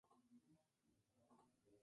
Destaca por su fuerza.